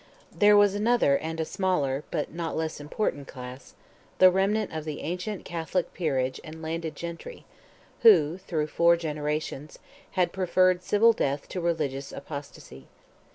There was another and a smaller, but not less important class—the remnant of the ancient Catholic peerage and landed gentry, who, through four generations, had preferred civil death to religious apostasy.